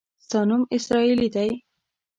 ستا نوم اسراییلي دی.